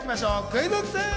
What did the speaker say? クイズッス！